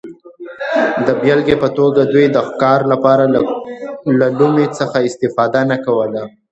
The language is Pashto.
د بېلګې په توګه دوی د ښکار لپاره له لومې څخه استفاده نه کوله